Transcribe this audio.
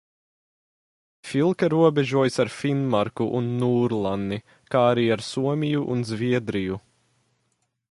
Filke robežojas ar Finnmarku un Nūrlanni, kā arī ar Somiju un Zviedriju.